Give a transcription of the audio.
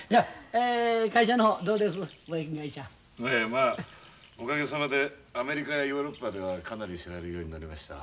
ええまあおかげさまでアメリカやヨーロッパではかなり知られるようになりました。